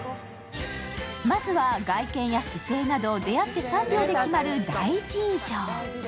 まずは、外見や姿勢など出会って３秒で決まる第一印象。